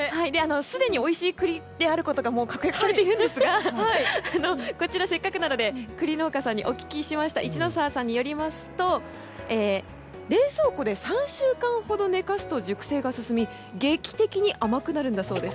すでにおいしい栗であることが確約されているんですがこちら、せっかくなので栗農家さんにお聞きしました市ノ澤さんによりますと冷蔵庫で３週間ほど寝かすと熟成が進み劇的に甘くなるんだそうです。